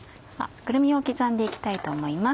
くるみを刻んで行きたいと思います。